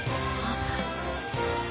あっ。